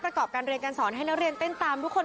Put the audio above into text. ประกอบการเรียนการสอนให้นักเรียนเต้นตามทุกคน